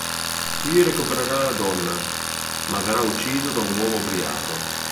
Qui recupererà la donna, ma verrà ucciso da un uomo ubriaco.